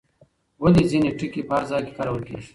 ولې ځینې ټکي په هر ځای کې کارول کېږي؟